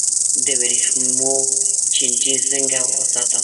د وریښمو چینجی څنګه وساتم؟